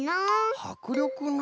はくりょくな。